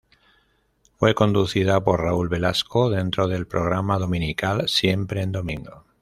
Fue conducida por Raúl Velasco dentro del programa dominical Siempre en domingo.